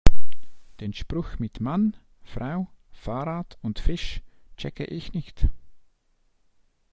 Den Spruch mit Mann, Frau, Fahrrad und Fisch checke ich nicht.